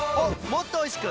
もっとおいしく！